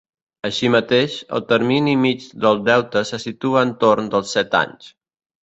Així mateix, el termini mig del deute se situa en torn dels set anys.